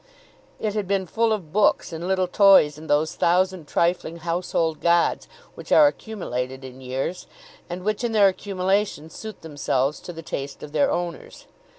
It had been full of books and little toys and those thousand trifling household gods which are accumulated in years, and which in their accumulation suit themselves to the taste of their owners.